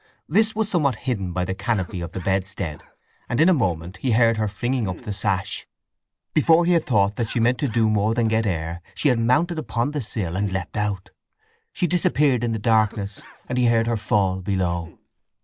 This was somewhat hidden by the canopy of the bedstead, and in a moment he heard her flinging up the sash. Before he had thought that she meant to do more than get air she had mounted upon the sill and leapt out. She disappeared in the darkness, and he heard her fall below.